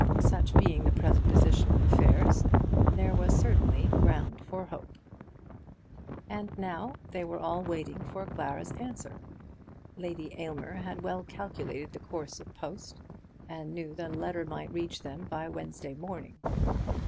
Such being the present position of affairs, there was certainly ground for hope. And now they were all waiting for Clara's answer. Lady Aylmer had well calculated the course of post, and knew that a letter might reach them by Wednesday morning.